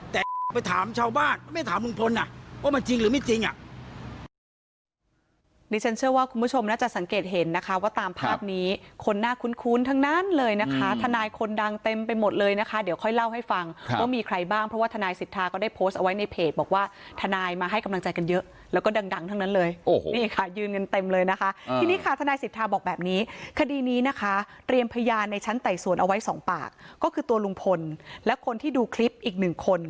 แต่ไปถามชาวบ้านก็ไม่ถามลุงพลอ่ะว่ามันจริงหรือไม่จริงอ่ะ